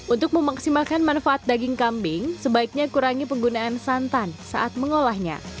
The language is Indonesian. untuk memaksimalkan manfaat daging kambing sebaiknya kurangi penggunaan santan saat mengolahnya